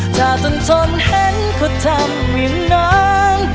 ถ้าต้นทนเห็นก็ทำอย่างนั้น